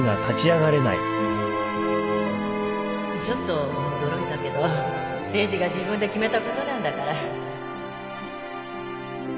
ちょっと驚いたけど誠治が自分で決めたことなんだから